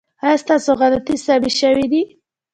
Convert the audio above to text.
ایا ستاسو غلطۍ سمې شوې دي؟